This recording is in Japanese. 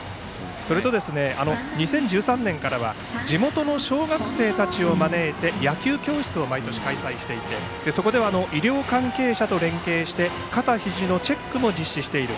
そして、２０１３年からは地元の小学生たちを招いて野球教室を毎年開催していてそこでは医療関係者と連携して肩ひじのチェックも実施している。